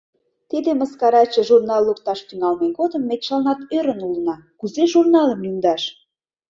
Тиде мыскараче журнал лукташ тӱҥалме годым ме чыланат ӧрын улына: кузе журналым лӱмдаш?